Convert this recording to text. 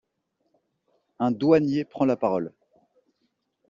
Un douanier prend la parole...